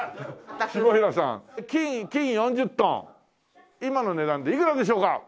下平さん金４０トン今の値段でいくらでしょうか？